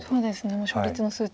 もう勝率の数値